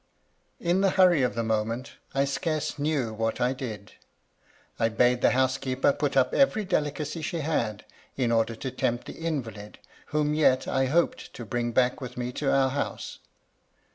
In the hurry of the moment I scarce knew what I did. I bade the housekeeper put up every delicacy she had, in order to tempt the invalid, whom yet I hoped to bring back with me to our house.